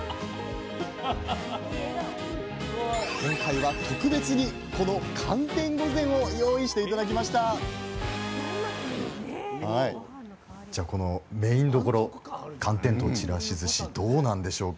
今回は特別にこの「寒天御前」を用意して頂きましたじゃこのメインどころ寒天とちらしずしどうなんでしょうか？